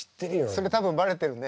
それ多分バレてるね。